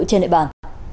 trên địa bàn